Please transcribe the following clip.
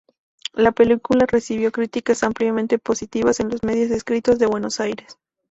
La película recibió críticas ampliamente positivas en los medios escritos de Buenos Aires.